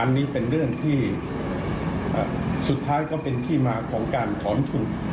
อันนี้เป็นเรื่องที่สุดท้ายก็เป็นที่มาของการถอนทุน